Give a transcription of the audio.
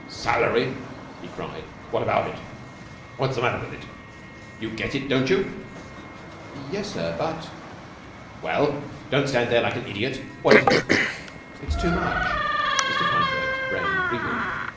"Salary?" he cried. "What about it? What's the matter with it? You get it, don't you?" "Yes, sir, but " "Well? Don't stand there like an idiot. What is it?" "It's too much." Mr. Fineberg's brain reeled.